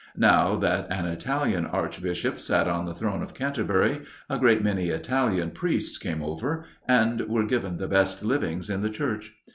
Now that an Italian Archbishop sat on the throne of Canterbury, a great many Italian priests came over, and were given the best livings in the Church.